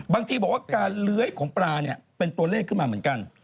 บางทีบอกว่าการเลื้อยของปลาเนี่ยเป็นตัวเลขขึ้นมาเหมือนกัน